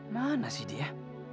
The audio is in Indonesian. mana sih dia